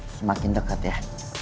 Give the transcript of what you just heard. semakin dekat ya